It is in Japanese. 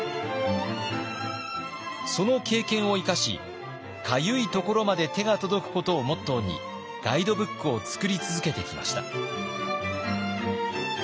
その経験を生かしかゆいところまで手が届くことをモットーにガイドブックを作り続けてきました。